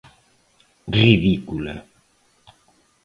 Ridícula.